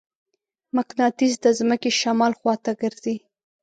مقناطیس د ځمکې شمال خواته ګرځي.